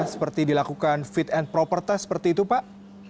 seperti dilakukan fit and proper test seperti itu pak